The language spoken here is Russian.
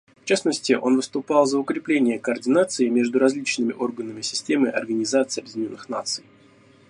В частности, он выступал за укрепление координации между различными органами системы Организации Объединенных Наций.